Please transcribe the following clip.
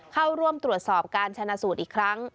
เข้าร่วมตรวจสอบการชนะสูตรอีกครั้ง